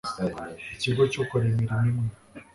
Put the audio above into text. ikigo cy ukora imirimo imwe